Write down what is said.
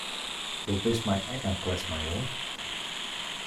Do bist my ek in kletsmajoar.